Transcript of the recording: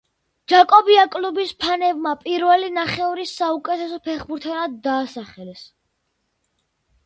ჯაკობია კლუბის ფანებმა პირველი ნახევრის საუკეთესო ფეხბურთელად დაასახელეს.